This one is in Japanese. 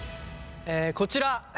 えこちら